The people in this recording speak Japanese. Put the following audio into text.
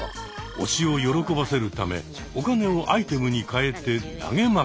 推しを喜ばせるためお金をアイテムに換えて投げまくる。